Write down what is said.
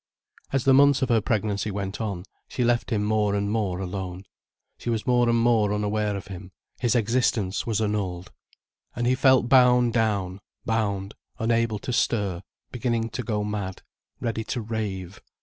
As the months of her pregnancy went on, she left him more and more alone, she was more and more unaware of him, his existence was annulled. And he felt bound down, bound, unable to stir, beginning to go mad, ready to rave.